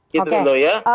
gitu dulu ya